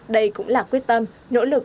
đây cũng là quyết tâm nỗ lực